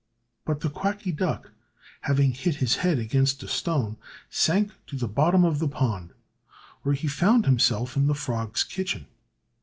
But the Quacky Duck, having hit his head against a stone, sank to the bottom of the pond, where he found himself in the frogs' kitchen.